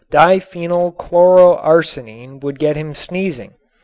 Di phenyl chloro arsine would set him sneezing.